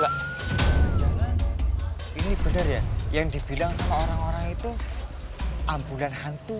jangan ini benar ya yang dibilang sama orang orang itu ambulan hantu